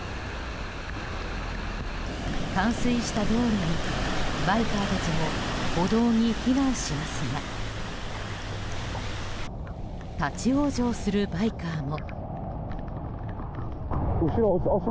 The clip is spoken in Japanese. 冠水した道路に、バイカーたちも歩道に避難しますが立ち往生するバイカーも。